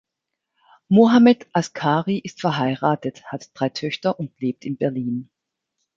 Mohamed Askari ist verheiratet, hat drei Töchter und lebt in Berlin.